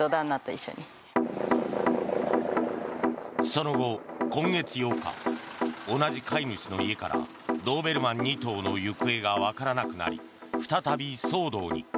その後、今月８日同じ飼い主の家からドーベルマン２頭の行方がわからなくなり再び騒動に。